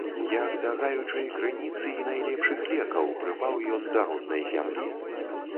Як да гаючай крыніцы і найлепшых лекаў прыпаў ён да роднай зямлі.